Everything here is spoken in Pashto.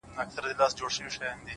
پكښي مي وليدې ستا خړي سترگي-